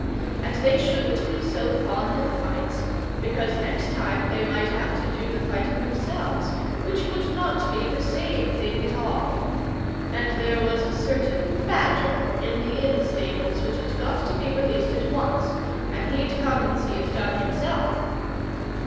And they shouldn't be so fond of fights, because next time they might have to do the fighting themselves, which would not be the same thing at all. And there was a certain badger in the inn stables which had got to be released at once, and he'd come and see it done himself.